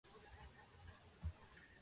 らいど・おん!, Buon!